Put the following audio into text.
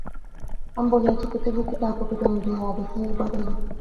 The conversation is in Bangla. আমি বলিয়াছি, প্রত্যেক ব্যক্তি তাহার প্রকৃতি অনুযায়ী আদর্শ নিরূপণ করিবে।